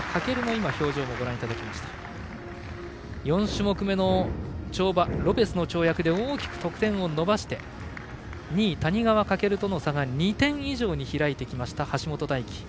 ４種目めの跳馬、ロペスの跳躍で大きく得点を伸ばして２位、谷川翔との差が２点以上に開いてきた橋本大輝。